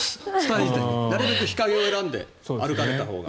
なるべく日陰を選んで歩かれたほうが。